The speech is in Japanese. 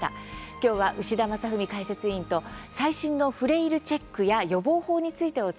今日は牛田正史解説委員と最新のフレイルチェックや予防法についてお伝えします。